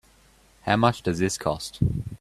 How much does this cost?